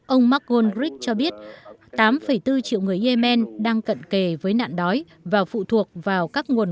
ông margul grick cho biết tám bốn triệu người yemen đang cận kề với nạn đói và phụ thuộc vào các nguồn